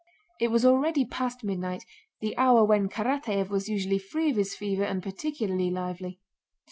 It was already past midnight, the hour when Karatáev was usually free of his fever and particularly lively.